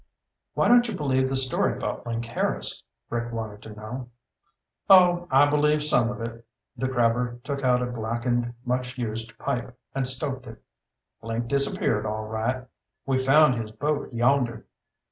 "Why don't you believe the story about Link Harris?" Rick wanted to know. "Oh, I believe some of it." The crabber took out a blackened, much used pipe and stoked it. "Link disappeared, all right. We found his boat yonder."